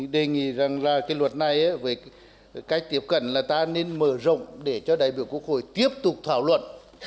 đề nghị rằng là cái luật này với cách tiếp cận là ta nên mở rộng để cho đại biểu quốc hội tiếp tục thảo luận